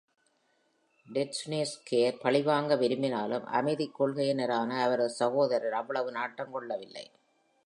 டெட்சுனோசுகே பழிவாங்க விரும்பினாலும், அமைதிக் கொள்கையினரான அவரது சகோதரர் அவ்வளவு நாட்டங்கொள்ளவில்லை.